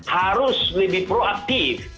harus lebih proaktif